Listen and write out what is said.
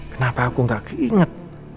kenapa aku gak keinget